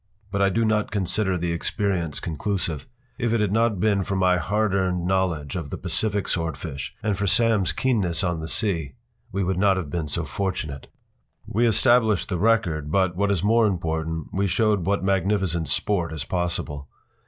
But I do not consider the experience conclusive. If it had not been for my hard earned knowledge of the Pacific swordfish, and for Sam’s keenness on the sea, we would not have been so fortunate. We established the record, but, what is more important, we showed what magnificent sport is possible.